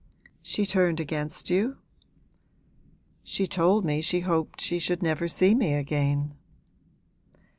'She turned against you?' 'She told me she hoped she should never see me again.'